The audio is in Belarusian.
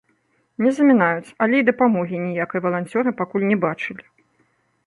Не замінаюць, але і дапамогі ніякай валанцёры пакуль не бачылі.